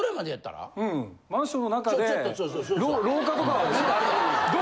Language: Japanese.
マンションの中で廊下とか。